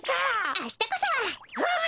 あしたこそはっ！